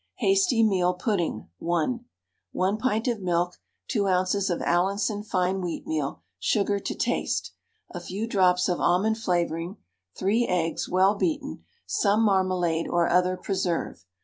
HASTY MEAL PUDDING (1). 1 pint of milk, 2 oz. of Allinson fine wheatmeal, sugar to taste, a few drops of almond flavouring, 3 eggs, well beaten, some marmalade or other preserve.